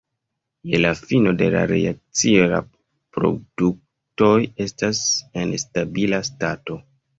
Je la fino de la reakcio la produktoj estas en stabila stato.